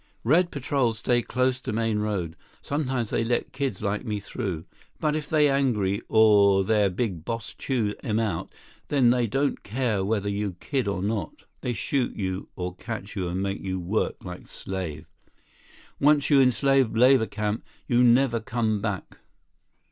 "Red patrol stays close to main road. Sometimes they let kids like me through. But, if they angry, or their Big Boss chew 'em out, then they don't care whether you kid or not. They shoot you or catch you and make you work like slave. Once you in slave labor camp, you never come back."